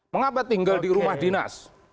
mengapa tinggal di rumah dinas